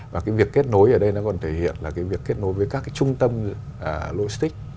và việc kết nối ở đây nó còn thể hiện là việc kết nối với các trung tâm lôi stick